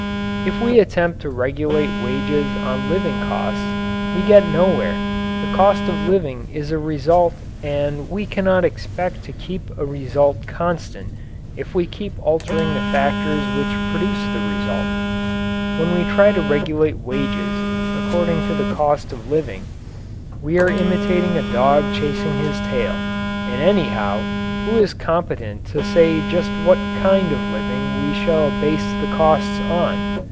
If we attempt to regulate wages on living costs, we get nowhere. The cost of living is a result and we cannot expect to keep a result constant if we keep altering the factors which produce the result. When we try to regulate wages according to the cost of living, we are imitating a dog chasing his tail. And, anyhow, who is competent to say just what kind of living we shall base the costs on?